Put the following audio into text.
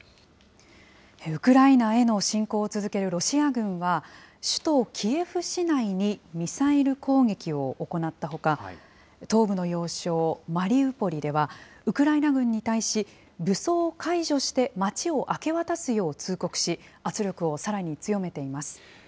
ウクライナへの侵攻を続けるロシア軍は、首都キエフ市内にミサイル攻撃を行ったほか、東部の要衝、マリウポリではウクライナ軍に対し、武装解除して街を明け渡すよう通告し、圧力をさらに強めています。